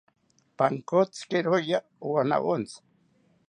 Pankotziki roya owanawontzi